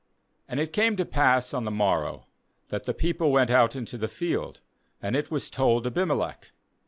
^And it came to pass on the mor row, that the people went out into the field; and it was told Abimelech.